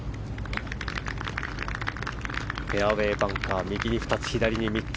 フェアウェーバンカーが右に２つ、左に３つ。